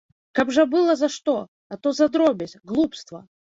Каб жа было за што, а то за дробязь, глупства.